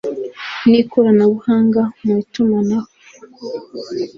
n ikoranabuhanga mu itumanaho